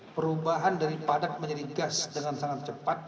perubahan dari padat menjadi gas dengan sangat cepat